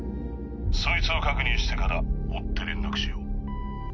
そいつを確認してから追って連絡しよう。